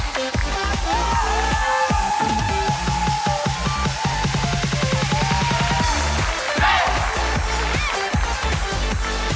มองแขนตัวต่อไป